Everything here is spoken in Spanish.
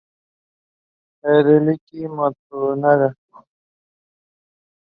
Hideki Matsunaga